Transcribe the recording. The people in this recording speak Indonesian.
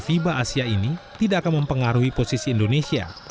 fiba asia ini tidak akan mempengaruhi posisi indonesia